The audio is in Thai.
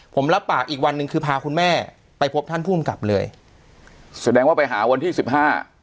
ผมรับปากอีกวันหนึ่งคือพาคุณแม่ไปพบท่านผู้กำกับเลยแสดงว่าไปหาวันที่สิบห้า